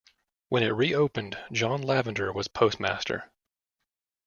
When it reopened John Lavender was postmaster.